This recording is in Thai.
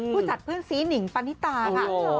ผู้จัดเพื่อนซีหนิงปันนิตาค่ะ